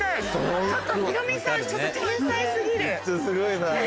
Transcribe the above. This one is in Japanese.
すごいな。